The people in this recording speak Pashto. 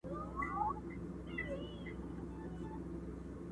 لا تیاره وه په اوږو یې ساه شړله!.